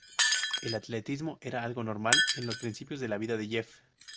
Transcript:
El atletismo era algo normal en los principios de la vida de Jeff.